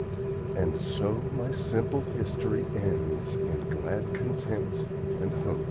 And so my simple history ends in glad content and hope.